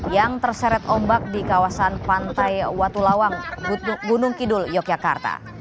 yang terseret ombak di kawasan pantai watulawang gunung kidul yogyakarta